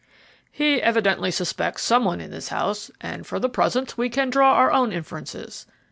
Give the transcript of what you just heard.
"He evidently suspects some one in this house, and for the present we can draw our own inferences.